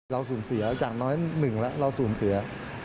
เราสูญเสียจากน้อยหนึ่งแล้วเราสูญเสีย